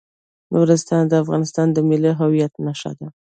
نورستان د افغانستان د ملي هویت نښه ده.